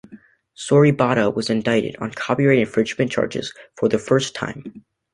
Soribada was indicted on copyright infringement charges for the first time.